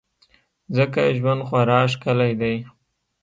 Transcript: ځکه ژوند خورا ښکلی دی.